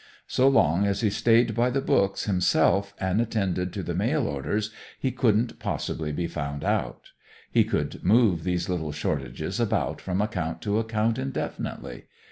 So long as he stayed by the books himself and attended to the mail orders he couldn't possibly be found out. He could move these little shortages about from account to account indefinitely.